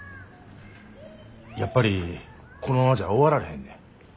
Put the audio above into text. やっぱりこのままじゃ終わられへんねん。